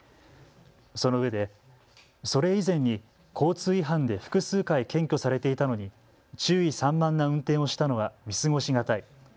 そのうえでそれ以前に交通違反で複数回検挙されていたのに注意散漫な運転をしたのは見過ごしがたい。